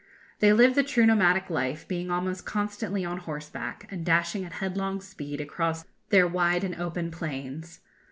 They live the true nomadic life, being almost constantly on horseback, and dashing at headlong speed across their wide and open plains.